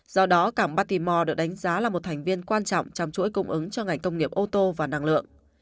do đó cảng batimore được đánh giá là một thành viên quan trọng trong chuỗi cung ứng cho ngành công nghiệp ô tô và năng lượng